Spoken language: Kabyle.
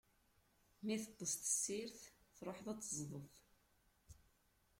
Mi teṭṭes tessirt, tṛuḥeḍ ad teẓdeḍ.